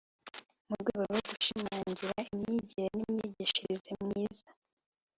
mu rwego rwo gushimangira imyigire n’imyigishirize myiza